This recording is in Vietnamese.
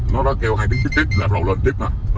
nó đó kêu hai tiếng tiếp tiếp là bắt đầu lên tiếp nè